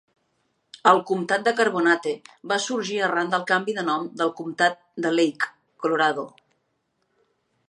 El comtat de Carbonate va sorgir arran del canvi de nom del comtat de Lake, Colorado.